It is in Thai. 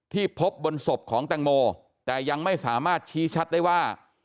พบบนศพของแตงโมแต่ยังไม่สามารถชี้ชัดได้ว่า